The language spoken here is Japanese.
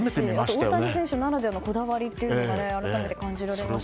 大谷選手ならではのこだわりを改めて感じられましたよね。